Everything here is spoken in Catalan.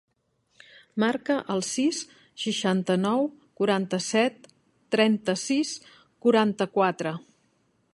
Marca el sis, seixanta-nou, quaranta-set, trenta-sis, quaranta-quatre.